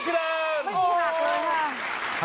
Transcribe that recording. ไม่มีหักเลยค่ะ